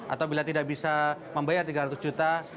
atau bila tidak bisa membayar tiga ratus juta